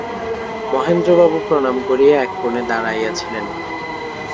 মহেন্দ্রবাবু প্রণাম করিয়া এক কোণে দাঁড়াইয়াছিলেন।